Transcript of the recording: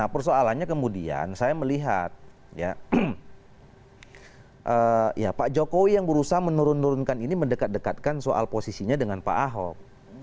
nah persoalannya kemudian saya melihat ya pak jokowi yang berusaha menurunkan ini mendekat dekatkan soal posisinya dengan pak ahok